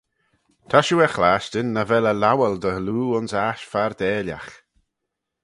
Ta shiu er chlashtyn nagh vel eh lowal dy loo ayns aght fardailagh.